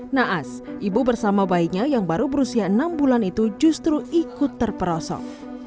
naas ibu bersama bayinya yang baru berusia enam bulan itu justru ikut terperosok